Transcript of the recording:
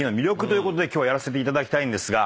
ということで今日はやらせていただきたいんですが。